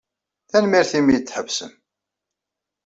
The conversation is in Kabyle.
Tanemmirt imi ay d-tḥebsem.